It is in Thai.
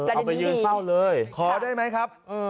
เอาไปยืนเฝ้าเลย